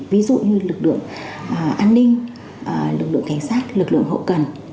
ví dụ như lực lượng an ninh lực lượng cảnh sát lực lượng hậu cần